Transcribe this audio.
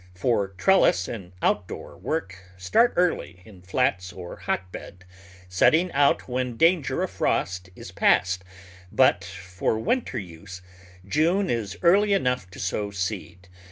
For trellis and outdoor work start early in flats or hotbed, setting out when danger of frost is past, but for winter use June is early enough to sow seed.